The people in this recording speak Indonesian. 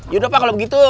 yaudah pak kalau begitu